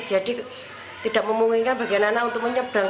jadi tidak memungkinkan bagian anak untuk menyeberang